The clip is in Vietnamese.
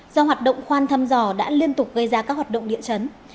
do hoạt động khoan thăm dò đã liên tục gây ra các hoạt động địa chấn